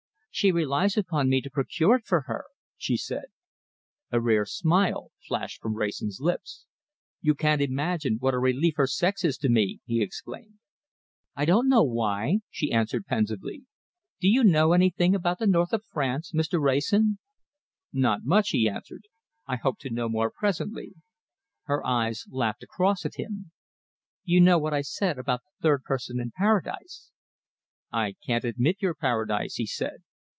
"She relies upon me to procure it for her," she said. A rare smile flashed from Wrayson's lips. "You can't imagine what a relief her sex is to me!" he exclaimed. "I don't know why," she answered pensively. "Do you know anything about the North of France, Mr. Wrayson?" "Not much," he answered. "I hope to know more presently." Her eyes laughed across at him. "You know what I said about the third person in Paradise?" "I can't admit your Paradise," he said.